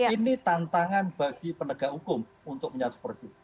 ini tantangan bagi penegak hukum untuk menyatakan seperti itu